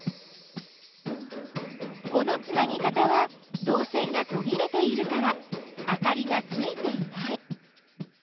このつなぎ方はどう線がとぎれているからあかりがついていない。